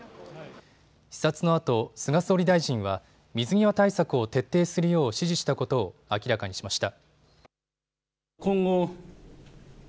視察のあと菅総理大臣は水際対策を徹底するよう指示したことを明らかにしました。